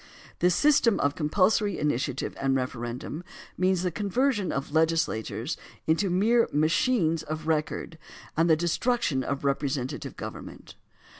This system of compulsory initiative and referendum means the conversion of legislatures into mere machines of record and the destruction of repre sentative government.